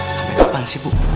sampai kapan sih bu